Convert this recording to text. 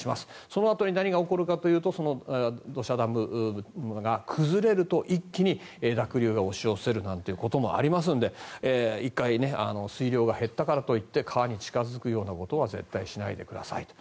そのあとに何が起こるかというと土砂ダムが崩れると一気に濁流が押し寄せるなんてこともありますので１回、水量が減ったからといって川に近付くようなことは絶対しないでください。